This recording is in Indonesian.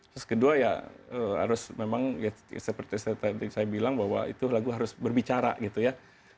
terus kedua ya harus memang ya seperti tadi saya bilang bahwa itu lagu harus berbicara gitu ya